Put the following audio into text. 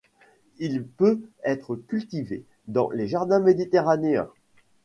Elle peut être cultivée dans les jardins méditerranéens.